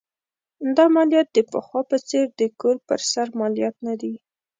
دا مالیات د پخوا په څېر د کور پر سر مالیات نه دي.